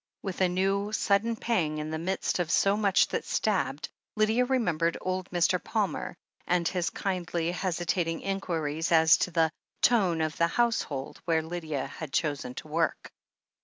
With a new, sudden pang in the midst of so much that stabbed, Lydia remembered old Mr. Palmer, and his kindly, hesitating inquiries as to the "tone" of the household where Lydia had chosen to work.